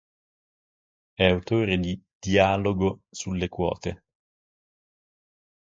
È autore di Dialogo sulle quote.